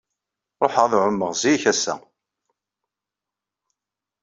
Ruḥeɣ ad ɛummeɣ zik ass-a.